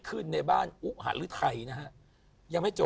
ขึ้นในบ้านอุหะฤทัยนะฮะ